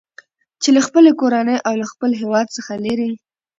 چې له خپلې کورنۍ او له خپل هیواد څخه لېرې